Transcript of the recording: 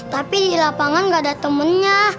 tapi di lapangan gak ada temennya